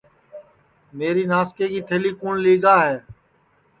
میری ناسکے کی تھلی کُوٹؔ لیگا ہے